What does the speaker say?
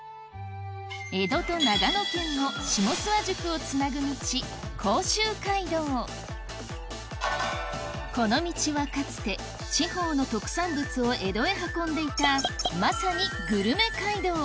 江戸と長野県の下諏訪宿をつなぐ道この道はかつて地方の特産物を江戸へ運んでいたまさにグルメ街道